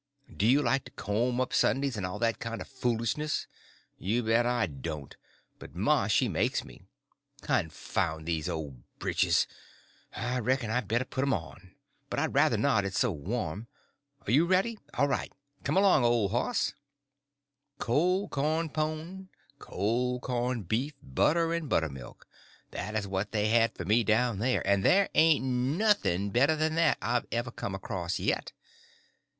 Do you like to comb up Sundays, and all that kind of foolishness? You bet I don't, but ma she makes me. Confound these ole britches! I reckon I'd better put 'em on, but I'd ruther not, it's so warm. Are you all ready? All right. Come along, old hoss." Cold corn pone, cold corn beef, butter and buttermilk—that is what they had for me down there, and there ain't nothing better that ever I've come across yet.